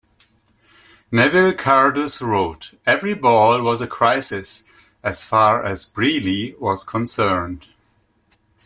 Neville Cardus wrote "Every ball was a crisis as far as Brealey was concerned".